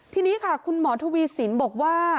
ทีนี้ค่ะคุณหมอทวีสินบอกว่า